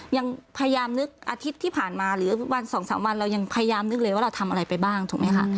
ยังพยายามนึกอาทิตย์ที่ผ่านมาหรือวันสองสามวันเรายังพยายามนึกเลยว่าเราทำอะไรไปบ้างถูกไหมคะ